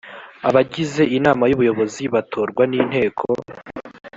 abagize inama y ubayobozi batorwa n inteko